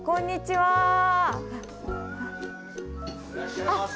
はいいらっしゃいませ。